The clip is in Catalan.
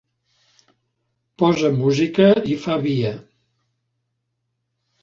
Posa música i fa via.